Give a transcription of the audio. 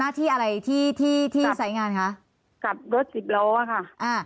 ที่อะไรที่ที่สายงานคะกับรถสิบล้ออ่ะค่ะอ่า